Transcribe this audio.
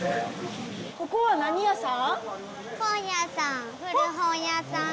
ここは何屋さん？